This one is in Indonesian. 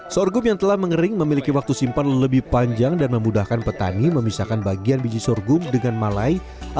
sorghum yang telah mengering memiliki waktu simpan lebih panjang dan memudahkan petani memisahkan bagian biji sorghum dengan malai